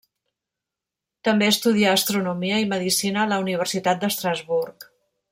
També estudià astronomia i medicina a la Universitat d'Estrasburg.